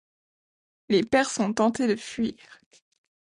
Les Perses ont tenté de fuir.